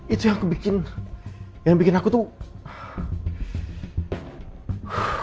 itu yang bikin aku tuh